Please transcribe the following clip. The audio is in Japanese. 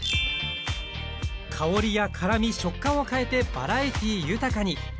香りや辛み食感を変えてバラエティー豊かに。